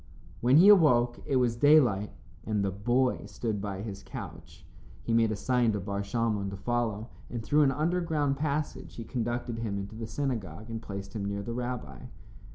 When he awoke it was daylight, and the boy stood by his couch. He made a sign to Bar Shalmon to follow, and through an underground passage he conducted him into the synagogue and placed him near the rabbi.